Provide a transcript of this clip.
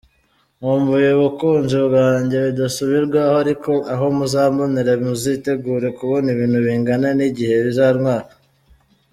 Nkumbuye abakunzi banjye bidasubirwaho ariko aho muzambonera muzitegure kubona ibintu bingana nigihe bizantwara!!.